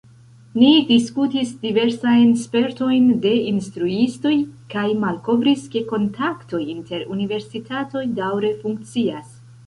Ni diskutis diversajn spertojn de instruistoj, kaj malkovris, ke kontaktoj inter universitatoj daŭre funkcias.